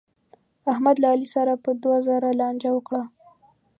احمد له علي سره په دوه زره لانجه وکړه.